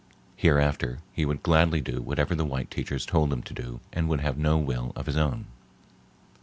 Hereafter he would gladly do whatever the white teachers told him to do and would have no will of his own.